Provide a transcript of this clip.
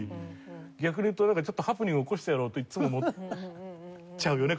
逆に言うとなんかちょっとハプニング起こしてやろうといつも思っちゃうよね